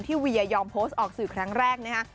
เวียยอมโพสต์ออกสื่อครั้งแรกนะฮะ